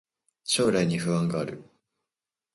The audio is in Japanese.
将来に不安がある